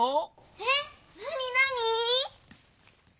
えなになに？